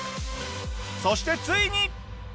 そしてついに。